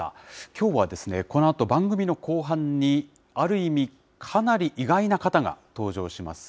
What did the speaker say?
きょうはですね、このあと番組の後半に、ある意味、かなり意外な方が登場します。